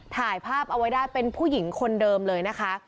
ถ่ายภาพเอาไว้ได้เป็นผู้หญิงคนเดิมเลยนะคะ